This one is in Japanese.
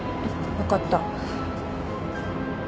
分かった。